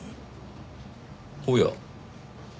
おや。